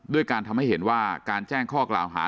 การทำให้เห็นว่าการแจ้งข้อกล่าวหา